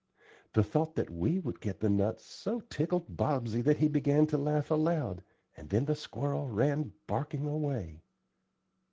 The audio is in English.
The thought that we would get the nuts so tickled Bobsey that he began to laugh aloud, and then the squirrel ran barking away."